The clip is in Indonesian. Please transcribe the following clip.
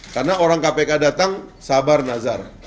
karena orang kpk datang sabar nazar